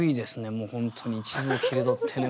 もう本当に一部を切り取ってね